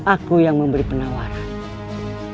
aku yang memberi penawaran